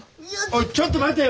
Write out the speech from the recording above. おいちょっと待てよ！